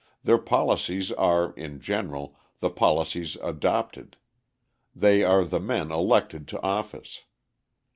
Their policies are, in general, the policies adopted; they are the men elected to office.